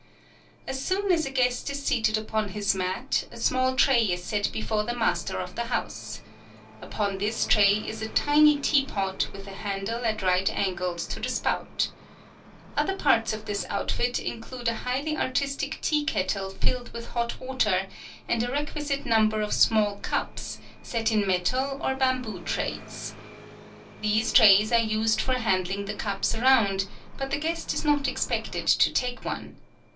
As soon as a guest is seated upon his mat, a small tray is set before the master of the house. Upon this tray is a tiny tea pot with a handle at right angles to the spout. Other parts of this outfit include a highly artistic tea kettle filled with hot water, and a requisite number of small cups, set in metal or bamboo trays. These trays are used for handing the cups around, but the guest is not expected to take one.